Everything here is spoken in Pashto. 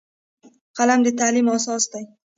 قلم د تعلیم اساس دی